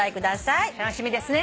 楽しみですね。